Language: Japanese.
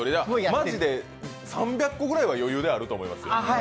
マジで３００個ぐらいは余裕であると思いますよ。